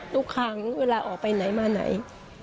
ทุกครั้งเวลาออกไปไหนมาไหน